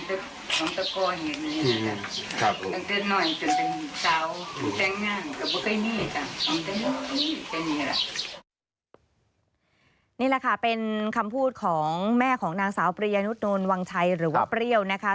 นี่แหละค่ะเป็นคำพูดของแม่ของนางสาวปริยานุษนนท์วังชัยหรือว่าเปรี้ยวนะคะ